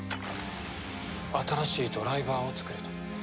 新しいドライバーを作れと？